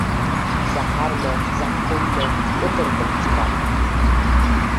Zaharmi, zaqqummi, o‘tirdim chidab.